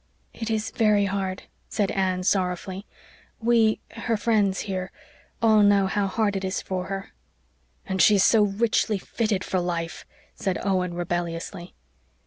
"It is very hard," said Anne sorrowfully. "We her friends here all know how hard it is for her." "And she is so richly fitted for life," said Owen rebelliously.